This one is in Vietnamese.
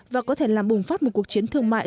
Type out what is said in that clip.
và có thể làm bùng phát một cuộc chiến thương mại